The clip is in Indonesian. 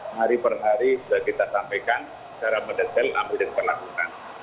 hari per hari sudah kita sampaikan cara mendesail ambil dan perlakukan